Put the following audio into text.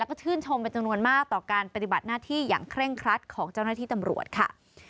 ก็ชื่นชมเป็นจำนวนมากต่อการปฏิบัติหน้าที่อย่างเคร่งครัดของเจ้าหน้าที่ตำรวจค่ะ